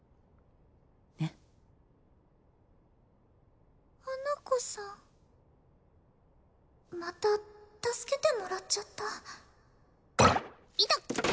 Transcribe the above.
ねっ花子さんまた助けてもらっちゃった痛っ！